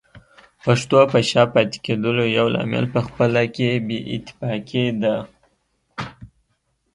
پښتنو په شا پاتې کېدلو يو لامل پخپله کې بې اتفاقي ده